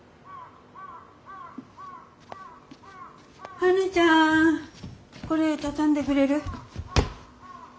花ちゃんこれ畳んでくれる？